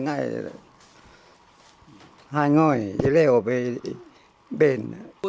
hai người y lèo về y ben